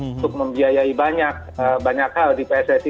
untuk membiayai banyak hal di pssi